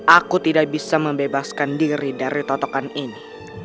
aku tidak bisa membebaskan diri dari totokan ini